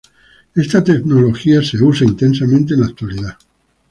Esta tecnología es usada intensamente en la actualidad.